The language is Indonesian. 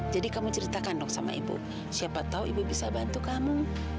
jadi kamu ceritakan dong sama ibu siapa tahu ibu bisa bantu kamu